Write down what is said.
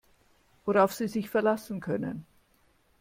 Worauf Sie sich verlassen können.